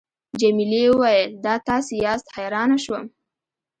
جميلې وويل:: دا تاسي یاست، حیرانه شوم.